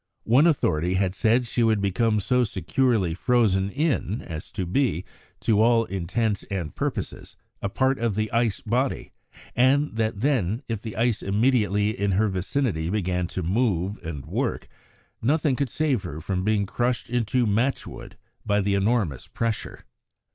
One authority had said she would become so securely frozen in as to be, to all intents and purposes, a part of the ice body, and that then, if the ice immediately in her vicinity began to move and work, nothing could save her from being crushed into matchwood by the enormous pressure.